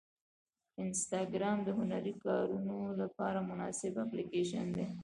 انسټاګرام د هنري کارونو لپاره مناسب اپلیکیشن دی.